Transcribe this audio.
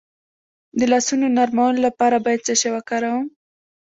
د لاسونو نرمولو لپاره باید څه شی وکاروم؟